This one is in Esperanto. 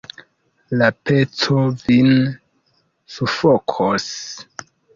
La peco vin sufokos!